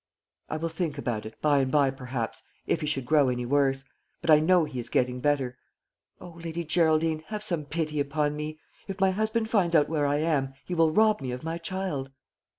"I will think about it, by and by, perhaps, if he should grow any worse; but I know he is getting better. O, Lady Geraldine, have some pity upon me! If my husband finds out where I am, he will rob me of my child."